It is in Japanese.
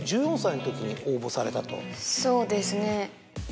そうですね。